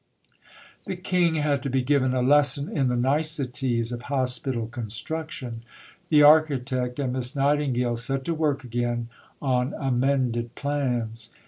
The King had to be given a lesson in the niceties of hospital construction. The architect and Miss Nightingale set to work again on amended plans.